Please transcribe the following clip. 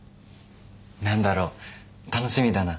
何だろう楽しみだな。